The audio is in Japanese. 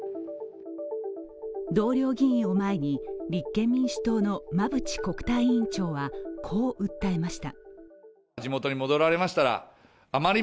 同僚議員を前に、立憲民主党の馬淵国対委員長はこう訴えました。